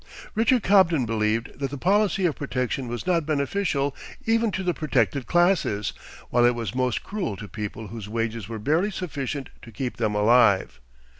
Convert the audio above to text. Richard Cobden believed that the policy of protection was not beneficial even to the protected classes, while it was most cruel to people whose wages were barely sufficient to keep them alive.